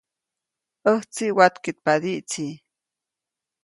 ʼÄjtsi watkeʼtpadiʼtsi.